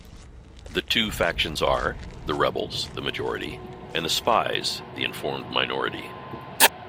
The two factions are: the Rebels, the majority; and the Spies, the informed minority.